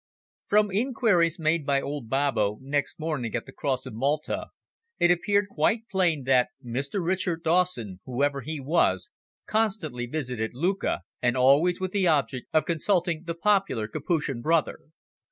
From inquiries made by old Babbo next morning at the Cross of Malta, it appeared quite plain that Mr. Richard Dawson, whoever he was, constantly visited Lucca, and always with the object of consulting the popular Capuchin brother.